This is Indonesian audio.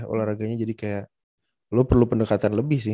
olahraganya jadi kayak lo perlu pendekatan lebih sih